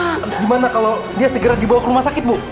gimana kalau dia segera dibawa ke rumah sakit bu